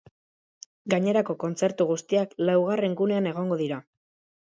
Gainerako kontzertu guztiak laugarren gunean egongo dira.